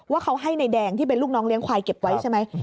ว่าเขาให้นายแดงที่เป็นลูกน้องเลี้ยควายเก็บไว้ใช่ไหม